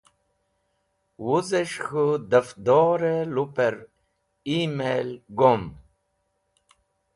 Wuzẽs̃h k̃hũ dafdarẽ lupẽr email gom.